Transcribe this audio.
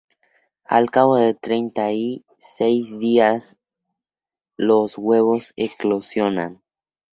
Al cabo de treinta y seis días los huevos eclosionan.